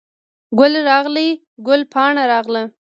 ګل راغلی، ګل پاڼه راغله